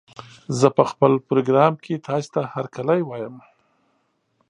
زه په خپل پروګرام کې تاسې ته هرکلی وايم